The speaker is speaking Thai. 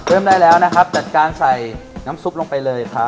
เริ่มได้แล้วนะครับจัดการใส่น้ำซุปลงไปเลยครับ